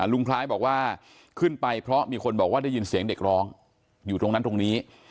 ลุงคล้ายบอกว่าขึ้นไปเพราะมีคนบอกว่าได้ยินเสียงเด็กร้องอยู่ตรงนั้นตรงนี้